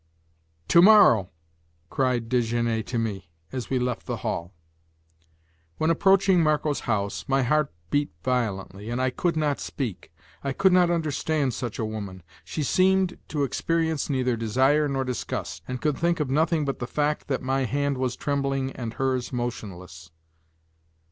"To morrow!" cried Desgenais to me, as we left the hall. When approaching Marco's house, my heart beat violently and I could not speak. I could not understand such a woman; she seemed to experience neither desire nor disgust, and could think of nothing but the fact that my hand was trembling and hers motionless.